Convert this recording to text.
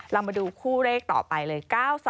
เรามาดูคู่เลขต่อไปเลย๙๒